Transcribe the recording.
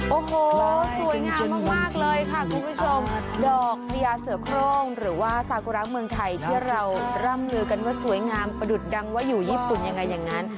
โอ้โหสวยงามมากเลยค่ะคุณผู้ชมดอกพญาเสือโครงหรือว่าซากุระเมืองไทยที่เราร่ำลือกันว่าสวยงามประดุษดังว่าอยู่ญี่ปุ่นยังไงอย่างนั้น